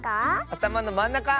あたまのまんなか！